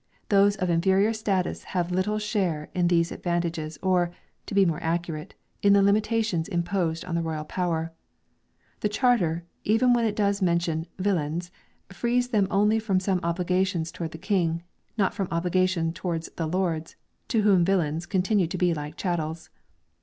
Those of inferior status have little share in these advantages or to be more accurate in the limitations imposed on the royal power. The Charter r even when it does mention "villans," frees them only from some obligations towards the King, not from obligations towards the lords, to whom villans con tinued to be like chattels.